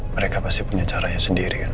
mereka pasti punya caranya sendiri kan